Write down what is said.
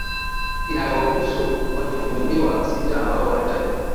inayowahusu watuhumiwa sita ambao wanatajwa